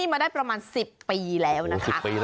ส่วนเมนูที่ว่าคืออะไรติดตามในช่วงตลอดกิน